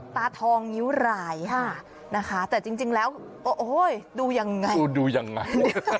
ตาทองยิ้วไหลนะคะแต่จริงแล้วโอ้โหฮกดูยังไง